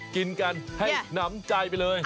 กินกันให้หนำใจไปเลย